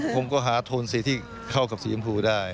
ผมก็หาโทนสีที่เข้ากับสีชมพูได้